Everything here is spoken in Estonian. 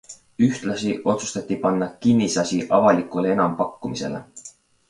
Ühtlasi otsustati panna kinnisasi avalikule enampakkumisele.